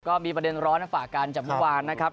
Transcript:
ก็มีประเด็นร้อนมาฝากกันจากเมื่อวานนะครับ